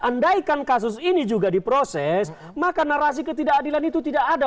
andaikan kasus ini juga diproses maka narasi ketidakadilan itu tidak ada